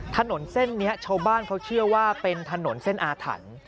ถนนเส้นนี้ชาวบ้านเขาเชื่อว่าเป็นถนนเส้นอาถรรพ์